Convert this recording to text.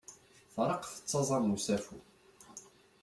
Treqq tettaẓ am usafu.